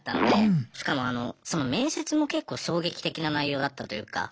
しかもあのその面接も結構衝撃的な内容だったというか。